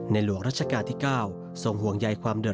ในหลวงราชกาลที่เก้าส่งห่วงใหญ่ความเดิดร้อย